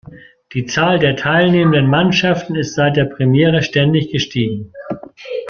Die Zahl der teilnehmenden Mannschaften ist seit der Premiere ständig gestiegen.